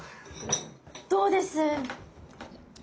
どうです？